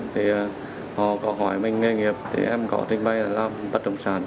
thì họ có hỏi mình nghề nghiệp thì em có trình bày là làm bắt động sản